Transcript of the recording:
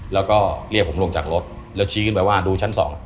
แล้วก็เรียกผมลงจากรถแล้วชี้ขึ้นไปว่าดูชั้น๒